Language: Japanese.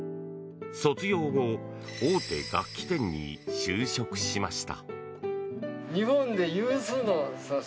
卒業後大手楽器店に就職しました。